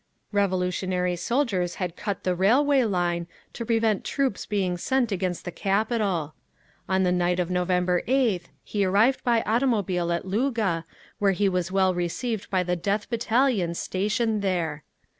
Revolutionary soldiers had cut the railway line, to prevent troops being sent against the capital. On the night of November 8th he arrived by automobile at Luga, where he was well received by the Death Battalions stationed there.